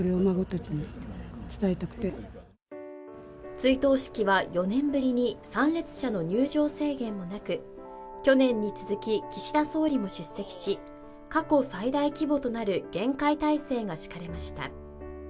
追悼式は４年ぶりに参列者の入場制限もなく去年に続き岸田総理も出席し過去最大規模となる厳戒態勢が敷かれました。